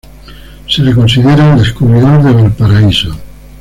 Se le considera el descubridor de Valparaíso.